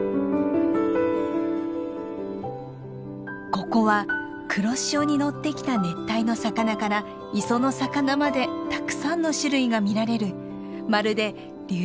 ここは黒潮に乗ってきた熱帯の魚から磯の魚までたくさんの種類が見られるまるで竜